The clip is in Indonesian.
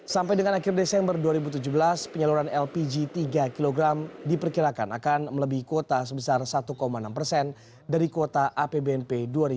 sampai dengan akhir desember dua ribu tujuh belas penyaluran lpg tiga kg diperkirakan akan melebihi kuota sebesar satu enam persen dari kuota apbnp dua ribu tujuh belas